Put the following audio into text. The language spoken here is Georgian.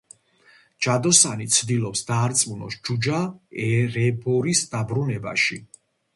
ჯადოსანი ცდილობს, დაარწმუნოს ჯუჯა ერებორის დაბრუნებაში.